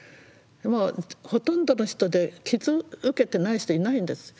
もうほとんどの人で傷受けてない人いないんです。